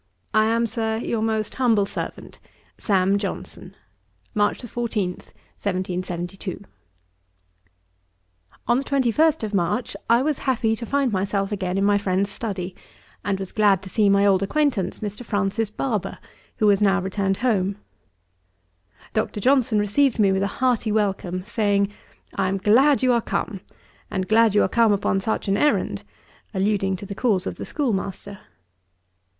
I am, Sir, 'Your most humble servant, 'SAM. JOHNSON.' 'March 14, 1772.' On the 21st of March, I was happy to find myself again in my friend's study, and was glad to see my old acquaintance, Mr. Francis Barber, who was now returned home. Dr. Johnson received me with a hearty welcome; saying, 'I am glad you are come, and glad you are come upon such an errand:' (alluding to the cause of the schoolmaster.)